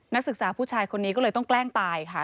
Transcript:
นักศึกษาผู้ชายคนนี้ก็เลยต้องแกล้งตายค่ะ